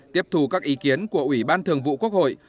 tiếp thù các ý kiến của ủy ban thường vụ quốc hội